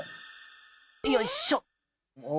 よいしょ。